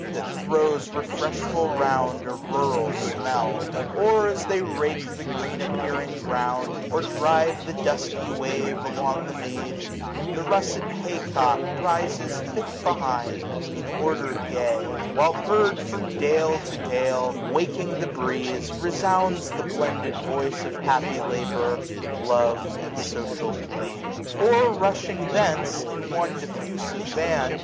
That throws refreshful round a rural smell : Or, as they rake the green appearing ground, 365 And drive the dusky wave along the mead. The russet hay cock rises thick behind. In order gay. While heard from dale to dale, Waking the breeze, resounds the blended voice Of happy labour, love, and social glee. 376 Or rushing thence, in one diflfusive band.